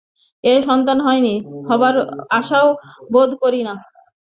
ওর সন্তান হয় নি, হবার আশাও বোধ করি ছেড়েছে।